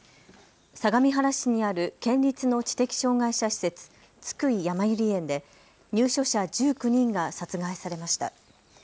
相模原市にある県立の知的障害者施設、津久井やまゆり園で入所者１９人が殺害されました。